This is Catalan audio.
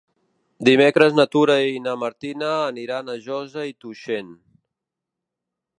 Dimecres na Tura i na Martina aniran a Josa i Tuixén.